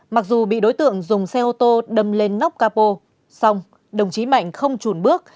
mặc dù bị đối tượng dùng xe ô tô đâm lên nóc capo song đồng chí mạnh không trùn bước